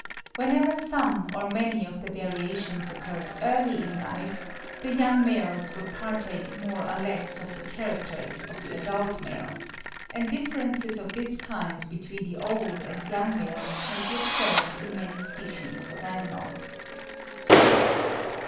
Whenever some or many of the variations occurred early in life, the young males would partake more or less of the characters of the adult males; and differences of this kind between the old and young males may be observed in many species of animals.